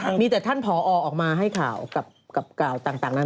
นี่แต่ท่านบรออกมาให้ข่าวกับก่าว